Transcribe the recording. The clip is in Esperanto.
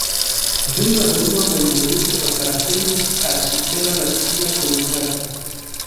Dum la unua mondmilito apartenis al Supera Nacia Komitato.